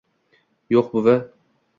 - Yo'q, buvi.